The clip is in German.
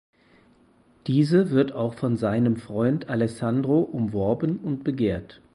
Diese wird auch von seinem Freund Alessandro umworben und begehrt.